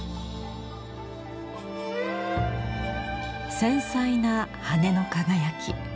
繊細な羽の輝き。